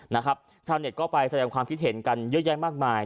นะครับชาวเน็ตก็ไปแสดงความคิดเห็นกันเยอะแยะมากมาย